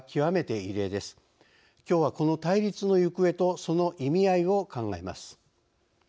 きょうはこの対立の行方とその意味合いを考えます。